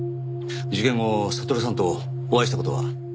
事件後悟さんとお会いした事は？